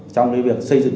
trong việc xây dựng